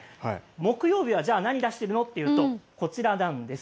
木曜日はじゃあ何を出しているのというとこちらなんです。